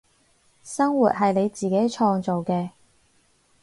生活係你自己創造嘅